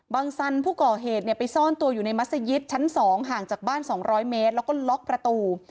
บางสันผู้ก่อเหตุเนี่ยไปซ่อนตัวอยู่ในมัศยิตชั้นสองห่างจากบ้านสองร้อยเมตรแล้วก็ล็อกประตู